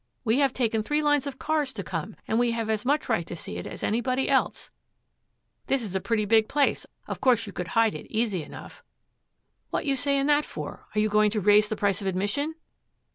'We have taken three lines of cars to come, and we have as much right to see it as anybody else'; 'This is a pretty big place, of course you could hide it easy enough'; 'What you saying that for are you going to raise the price of admission?'